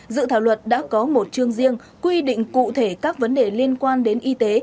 dự thảo luật đã có một chương riêng quy định cụ thể các vấn đề liên quan đến y tế